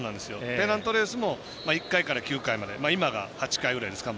ペナントレースも１回から９回まで今が８回ぐらいですか。